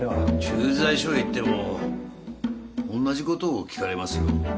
駐在所へ行ってもおんなじことを聞かれますよ？